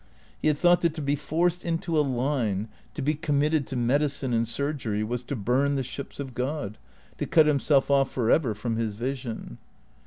He had thought that to be forced into a line, to be committed to medicine and surgery, was to burn the ships of God, to cut him self off for ever from his vision.